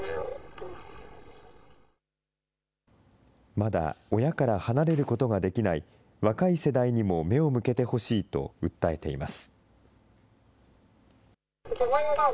まだ、親から離れることができない若い世代にも目を向けてほしいと訴えています。